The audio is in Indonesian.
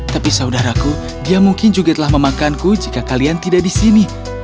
tapi saudaraku dia mungkin juga telah memakanku jika kalian tidak di sini